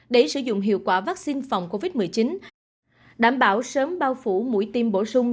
để sử dụng hiệu quả vaccine phòng covid một mươi chín đảm bảo sớm bao phủ mũi tiêm bổ sung